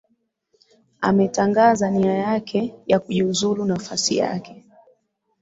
ametangaza nia yake ya kujiuzulu nafasi yake